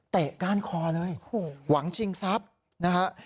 เตะก้านคอเลยหวังจริงซับนะครับ